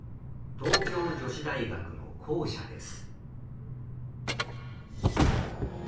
東京女子大学の校舎です。